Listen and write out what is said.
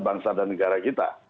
bangsa dan negara kita